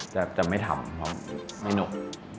จะไม่ทำเพราะไม่หนก